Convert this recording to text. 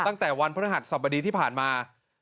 ตั้งแต่วันพฤหัสสบดีที่ผ่านมา